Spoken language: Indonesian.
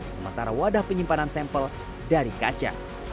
sementara wadah penyimpanan sampel dari kaca